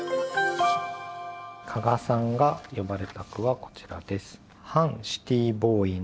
加賀さんが詠まれた句はこちらです。